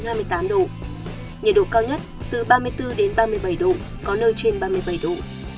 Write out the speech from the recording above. nhiệt độ cao nhất từ ba mươi bốn đến ba mươi bảy độ có nơi trên ba mươi bảy độ